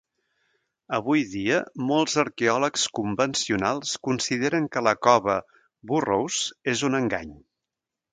Avui dia, molts arqueòlegs convencionals consideren que la cova Burrows és un engany.